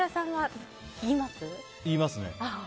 言いますね。